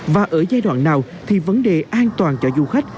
và ở giai đoạn nào thì vấn đề an toàn cho du khách